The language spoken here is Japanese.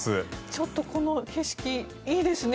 ちょっとこの景色いいですね。